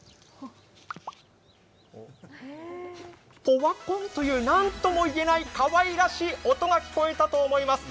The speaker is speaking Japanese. ポワコンというなんともいえないかわいらしい音が聞こえたと思います。